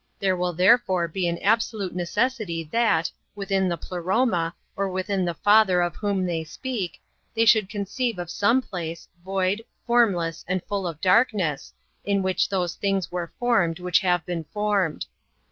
There will therefore be an absolute necessity that, within the Pleroma, or within the Father of whom they speak, they should conceive^ of some place, void, formless, and full of darkness, in which those things were formed which have been formed.